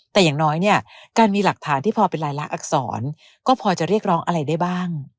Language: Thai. แต่อย่างน้อยเนี่ยการมีหลักฐานที่พอเป็นรายละอักษรก็พอจะเรียกร้องอะไรได้บ้าง